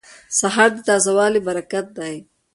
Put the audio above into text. سهار د تازه والي برکت دی.